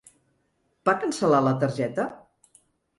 Va cancel·lar la targeta?